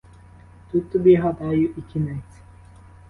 Тут тобі, гадаю, і кінець!